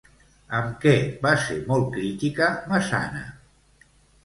Amb què va ser molt crítica Massana?